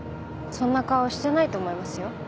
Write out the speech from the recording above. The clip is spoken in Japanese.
そんな顔してないと思いますよ。